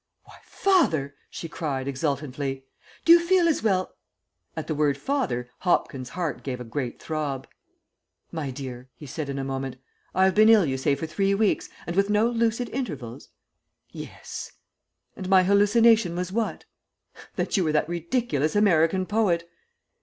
"Why, father!" she cried, exultantly, "do you feel as well " At the word "father," Hopkins' heart gave a great throb. "My dear," he said in a moment, "I have been ill you say for three weeks, and with no lucid intervals?" "Yes." "And my hallucination was what?" "That you were that ridiculous American poet."